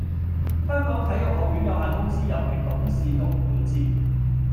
香港體育學院有限公司由其董事局管治